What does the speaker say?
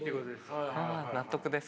納得です。